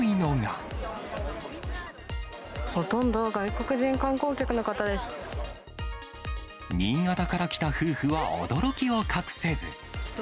ほとんどが外国人観光客の方新潟から来た夫婦は驚きを隠せず。